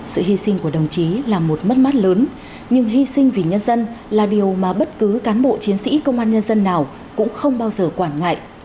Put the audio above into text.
sự hy sinh của đồng chí là một mất mát lớn nhưng hy sinh vì nhân dân là điều mà bất cứ cán bộ chiến sĩ công an nhân dân nào cũng không bao giờ quản ngại